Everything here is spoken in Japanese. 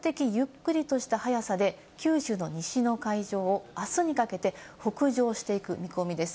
この後ですが、比較的ゆっくりとした速さで九州の西の海上をあすにかけて北上していく見込みです。